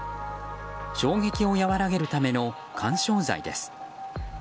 衝撃を和らげるための緩衝材です。